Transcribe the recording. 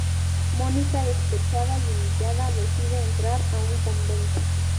Mónica, despechada y humillada, decide entrar a un convento.